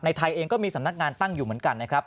ไทยเองก็มีสำนักงานตั้งอยู่เหมือนกันนะครับ